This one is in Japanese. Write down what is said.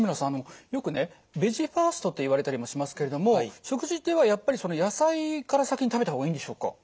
あのよくねベジ・ファーストといわれたりもしますけれども食事ではやっぱり野菜から先に食べた方がいいんでしょうか？